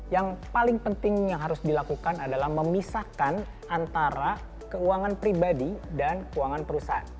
yang paling penting yang harus dilakukan adalah memisahkan antara keuangan pribadi dan keuangan perusahaan